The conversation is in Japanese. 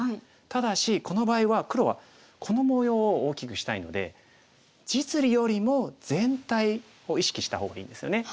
ただしこの場合は黒はこの模様を大きくしたいので実利よりも全体を意識した方がいいんですよね。